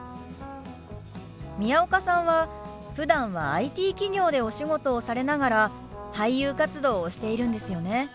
宮岡さんはふだんはＩＴ企業でお仕事をされながら俳優活動をしているんですよね。